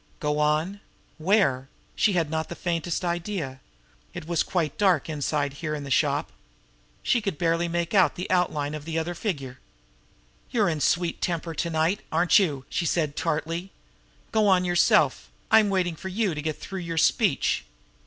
Go on! Where? She had not the faintest idea. It was quite dark inside here in the shop. She could barely make out the outline of the other's figure. "You're in a sweet temper to night, aren't you?" she said tartly. "Go on, yourself! I'm waiting for you to get through your speech."